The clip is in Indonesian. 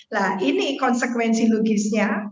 nah ini konsekuensi logisnya